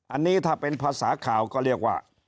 อันนี้ถ้าเป็นภาษาข่าวก็เรียกว่า